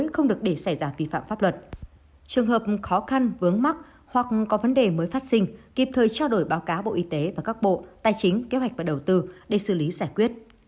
trường hợp khó khăn vướng mắc hoặc có vấn đề mới phát sinh kịp thời trao đổi báo cáo bộ y tế và các bộ tài chính kế hoạch và đầu tư để xử lý giải quyết